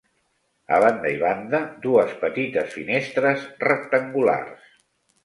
A banda i banda, dues petites finestres rectangulars.